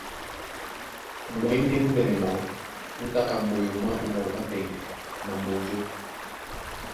Mweŋge múndɛ̄nɛ mɔɔ́ mú tá ka moyo mwá Ɓomɔnɔ ɓá Mbɛŋgɛ na Mbonjó.